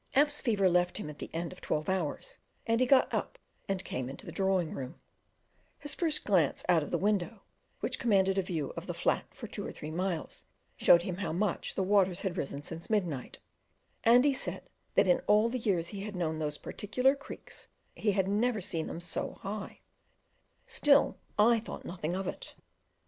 F 's fever left him at the end of twelve hours, and he got up and came into the drawing room; his first glance out of the window, which commanded a view of the flat for two or three miles, showed him how much the waters had risen since midnight; and he said that in all the years he had known those particular creeks he had never seen them so high: still I thought nothing of it.